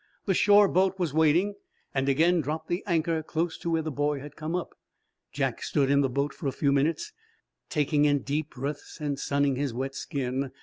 The shore boat was waiting, and again dropped the anchor close to where the boy had come up. Jack stood in the boat for a few minutes, taking in deep breaths and sunning his wet skin.